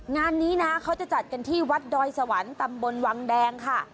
งานนี้นะเขาจะจัดกันที่วัดดอยสวรรค์ตำบลวังแดงค่ะ